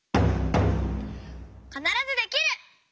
「かならずできる！」。